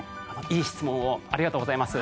いい質問をありがとうございます。